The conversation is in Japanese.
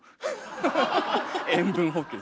塩分補給！